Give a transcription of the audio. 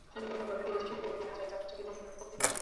আমি লৌহবৎ দৃঢ় ইচ্ছাশক্তি ও হৃদয় চাই, যা কিছুতেই কম্পিত হয় না।